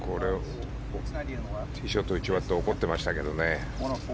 ティーショット打ち終わって怒ってましたけどね。